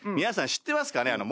皆さん知ってますかね。